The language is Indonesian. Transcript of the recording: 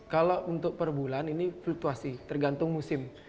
kalau untuk per bulan ini fluktuasi tergantung musim